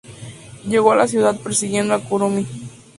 Llegó a la ciudad persiguiendo a Kurumi.